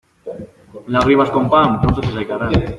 Lagrimas con pan, pronto se secarán.